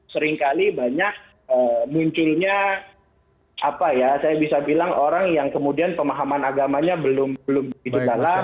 seringkali banyak munculnya apa ya saya bisa bilang orang yang kemudian pemahaman agamanya belum begitu dalam